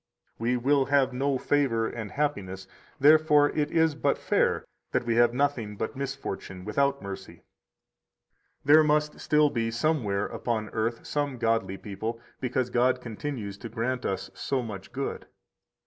We will have no favor and happiness, therefore it is but fair that we have nothing but misfortune without mercy. 156 There must still be somewhere upon earth some godly people because God continues to grant us so much good!